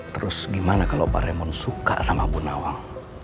terus gimana kalau pak remon suka sama bu nawang